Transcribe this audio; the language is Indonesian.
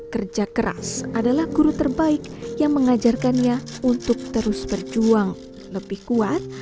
kerja keras adalah guru terbaik yang mengajarkannya untuk terus berjuang lebih kuat